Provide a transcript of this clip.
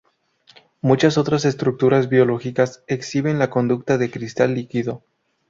Muchas otras estructuras biológicas exhiben la conducta de cristal líquido.